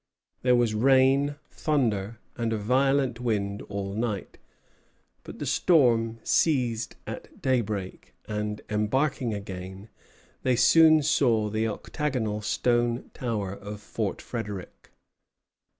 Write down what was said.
There was rain, thunder, and a violent wind all night; but the storm ceased at daybreak, and, embarking again, they soon saw the octagonal stone tower of Fort Frédéric.